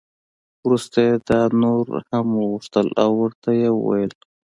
وروسته یې دا نور هم وغوښتل او ورته یې وویل.